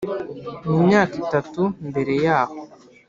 Mu myaka itatu mbere yaho